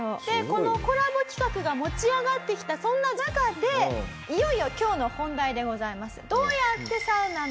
このコラボ企画が持ち上がってきたそんな中でいよいよ今日の本題でございます。